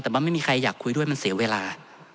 แต่ว่าไม่มีใครอยากคุยด้วยมันเสียเวลา